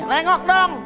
kok nengok dong